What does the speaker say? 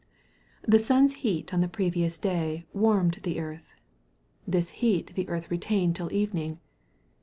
The sun's heat on the previous day warmed the earth. This heat the earth retained till evening.